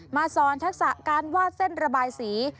สอนทักษะการวาดเส้นระบายสี